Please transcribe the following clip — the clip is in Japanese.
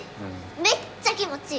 めっちゃ気持ちい！